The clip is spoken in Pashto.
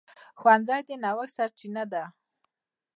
ښوونځی د نوښت سرچینه ده